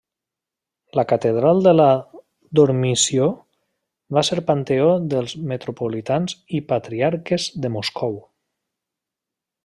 La catedral de la Dormició va ser panteó dels metropolitans i patriarques de Moscou.